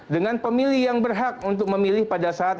dengan pemilih yang berhak untuk memilih pada saat